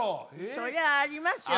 そりゃありますよ